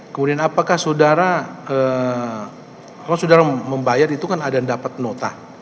kemudian apakah saudara kalau saudara membayar itu kan ada yang dapat nota